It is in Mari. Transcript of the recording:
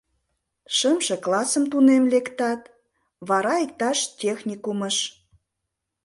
— Шымше классым тунем лектат, вара иктаж техникумыш...